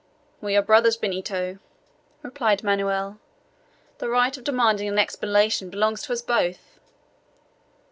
"We are brothers, Benito," replied Manoel. "The right of demanding an explanation belongs to us both."